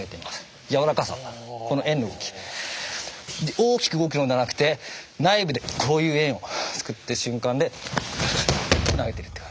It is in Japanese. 大きく動くのではなくて内部でこういう円を作って瞬間で投げている。